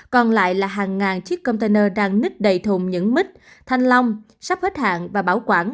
còn lại là hàng ngàn chiếc container đang nứt đầy thùng những mít thanh long sắp hết hạn và bảo quản